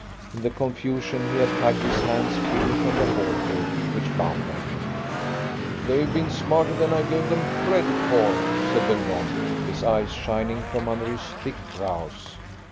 In the confusion he had tugged his hands free from the halter which bound them. "They've been smarter than I gave them credit for," said Belmont, his eyes shining from under his thick brows.